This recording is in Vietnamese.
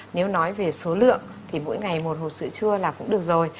nếu nói về số lượng thì mỗi ngày một hộp sữa là cũng được rồi